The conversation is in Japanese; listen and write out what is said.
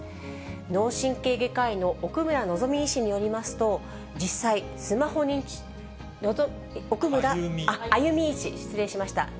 脳神経外科医の奥村のぞみ医師によりますと、実際、失礼しました。